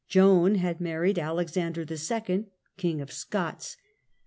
Joan had married Alexander II., "^* King of Scots.